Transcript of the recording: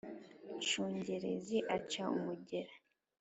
Nshungerezi aca umugera